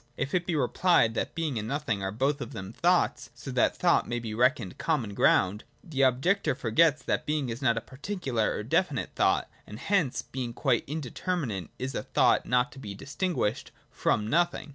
If it be rephed that Being and Nothing are both of them thoughts, so that thought may be reclioned common ground, the objector forgets that Being is not a particular or definite thought, and hence, being quite indeterminate, is a thought not to be distinguished from Nothing.